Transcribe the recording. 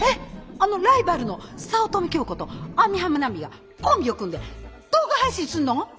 あのライバルの早乙女京子と網浜奈美がコンビを組んで動画配信すんの？